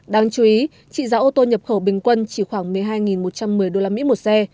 đáng chú ý trị giá ô tô nhập khẩu bình quân chỉ khoảng một mươi hai một trăm một mươi đô la mỹ một xe